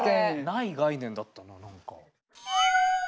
ない概念だったな何か。